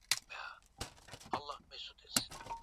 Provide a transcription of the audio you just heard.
mambo ya kikatili hatarusiwa kuania nyadhifa yoyote